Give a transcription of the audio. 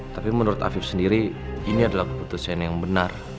tapi menurut afif sendiri ini adalah keputusan yang benar